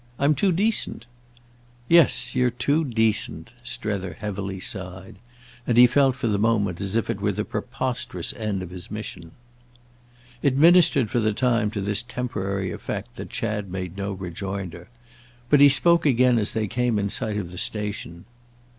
I'm too decent." "Yes, you're too decent!" Strether heavily sighed. And he felt for the moment as if it were the preposterous end of his mission. It ministered for the time to this temporary effect that Chad made no rejoinder. But he spoke again as they came in sight of the station.